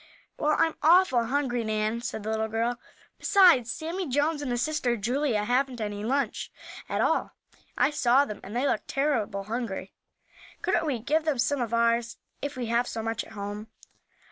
"Well, I'm awful hungry, Nan," said the little girl. "Besides, Sammie Jones, and his sister Julia, haven't any lunch at all. I saw them, and they looked terrible hungry. Couldn't we give them some of ours; if we have so much at home?"